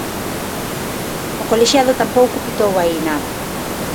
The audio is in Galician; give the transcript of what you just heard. O colexiado tampouco pitou aí nada.